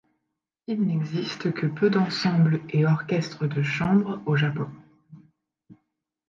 Il n'existe que peu d'ensembles et orchestres de chambre au Japon.